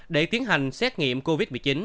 để tiến hành xét nghiệm covid một mươi chín